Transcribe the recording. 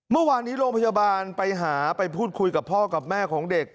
เมื่อวานนี้โรงพยาบาลไปหาไปพูดคุยกับพ่อกับแม่ของเด็ก